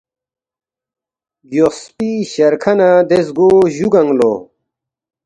گیوخسپی شرکھہ نہ دے زگو جُوگنگ لو